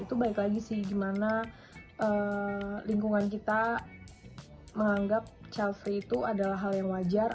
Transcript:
itu baik lagi sih gimana lingkungan kita menganggap childfree itu adalah hal yang wajar